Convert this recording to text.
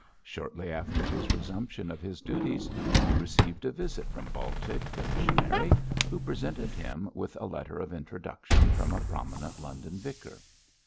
Shortly after his resumption of his duties, he received a visit from Baltic the missionary, who presented him with a letter of introduction from a prominent London vicar.